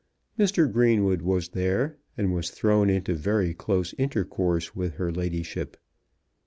Mr. Greenwood was there, and was thrown into very close intercourse with her ladyship.